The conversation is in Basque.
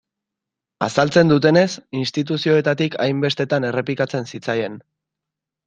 Azaltzen dutenez, instituzioetatik hainbestetan errepikatzen zitzaien.